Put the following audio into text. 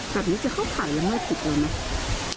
แบบนี้จะเข้าภัยหรือไม่ถูกเลยมั้ย